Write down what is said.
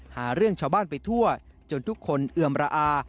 หาเรื่องชาวบ้านไปทั่วจนทุกคนเอือมระอา